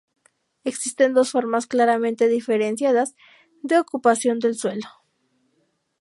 Existen dos formas claramente diferenciadas de ocupación del suelo.